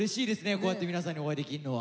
こうやって皆さんにお会いできるのは。